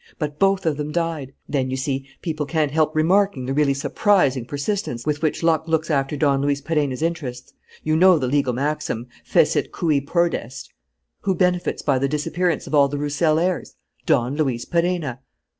But both of them died. Then, you see, people can't help remarking the really surprising persistence with which luck looks after Don Luis Perenna's interests. You know the legal maxim: fecit cui prodest. Who benefits by the disappearance of all the Roussel heirs? Don Luis Perenna."